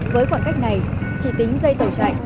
với khoảng cách này chỉ tính dây tàu chạy